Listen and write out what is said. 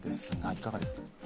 いかがですか？